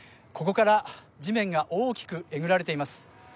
ここから地面が大きくえぐられています